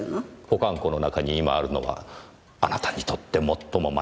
保管庫の中に今あるのはあなたにとって最も招かれざる客。